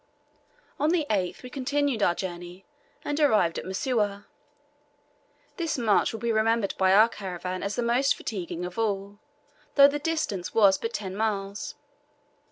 On the 8th we continued our journey, and arrived at Msuwa. This march will be remembered by our caravan as the most fatiguing of all, though the distance was but ten miles.